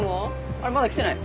あら？まだ来てない？